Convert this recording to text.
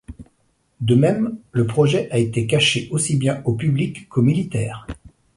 De même, le projet a été caché aussi bien au public qu'aux militaires.